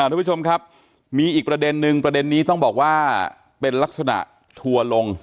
ทุกผู้ชมครับมีอีกประเด็นนึงประเด็นนี้ต้องบอกว่าเป็นลักษณะทัวร์ลง